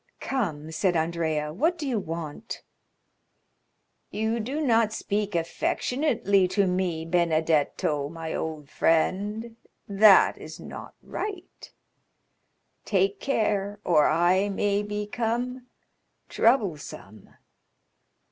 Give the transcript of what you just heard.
"Come," said Andrea, "what do you want?" "You do not speak affectionately to me, Benedetto, my old friend, that is not right—take care, or I may become troublesome."